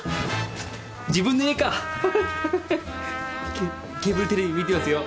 ケケーブルテレビ見てますよ。